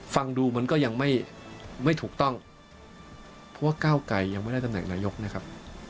ฟังดูมันก็ยังไม่ถูกต้องเพราะว่าก้าวไกรยังไม่ได้ตำแหน่งนายกนะครับ